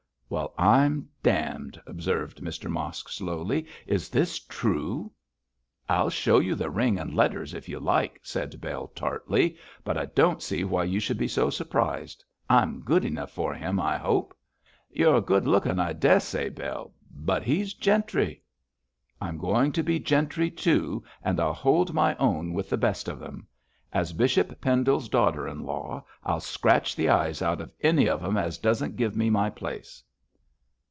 'Well, I'm d d,' observed Mr Mosk, slowly. 'Is this true?' 'I'll show you the ring and letters if you like,' said Bell, tartly, 'but I don't see why you should be so surprised. I'm good enough for him, I hope?' 'You're good lookin', I dessay, Bell, but he's gentry.' 'I'm going to be gentry too, and I'll hold my own with the best of them. As Bishop Pendle's daughter in law, I'll scratch the eyes out of any of 'em as doesn't give me my place.'